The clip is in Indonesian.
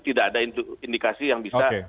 tidak ada indikasi yang bisa